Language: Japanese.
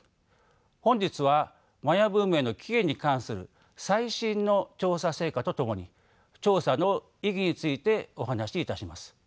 本日はマヤ文明の起源に関する最新の調査成果とともに調査の意義についてお話しいたします。